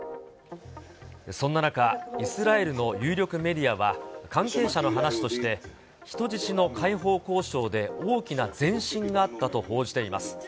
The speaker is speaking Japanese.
そんな中、イスラエルの有力メディアは、関係者の話として、人質の解放交渉で大きな前進があったと報じています。